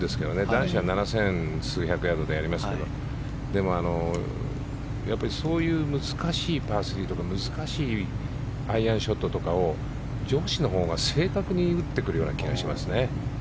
男子は７０００数百ヤードでやりますがでも、そういう難しいパー３とか難しいアイアンショットとかを女子のほうが正確に打ってくる気がしますね。